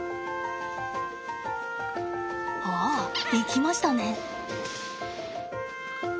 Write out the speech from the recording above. ああ行きましたね。